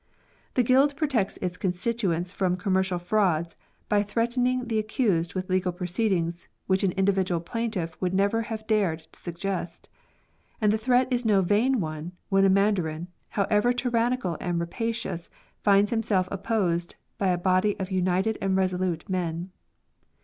The guild protects its constituents from commercial frauds by threatening the accused with legal proceedings which an individual plaintiff would never have dared to suggest ; and the threat is no vain one when a man darin, however tyrannical and rapacious, finds himself opposed by a body of united and resolute men.